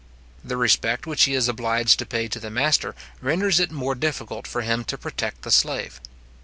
The respect which he is obliged to pay to the master, renders it more difficult for him to protect the slave.